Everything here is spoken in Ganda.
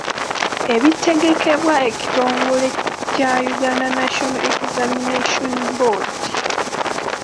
Ebitegekebwa ekitongole kya Uganda National Examination Board.